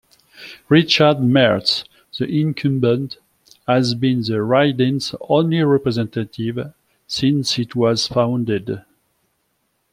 Richard Marz, the incumbent, has been the riding's only representative since it was founded.